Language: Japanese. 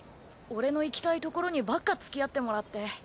俺の行きたいところにばっかつきあってもらって。